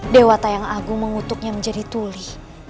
dewa tayang agung mengutuknya menjadi tuli